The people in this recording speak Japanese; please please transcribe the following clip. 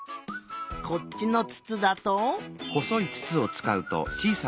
こっちのつつだと。